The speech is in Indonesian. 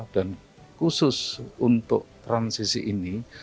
dan khusus untuk transisi ini